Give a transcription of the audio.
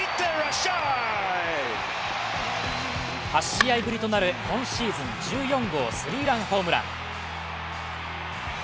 ８試合ぶりとなる今シーズン１４号、スリーランホームラン。